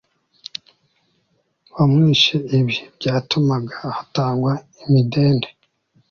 wamwishe ibi byatumaga hatangwa imidende